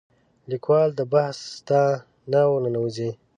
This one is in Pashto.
لیکوال دا بحث ته نه ورننوځي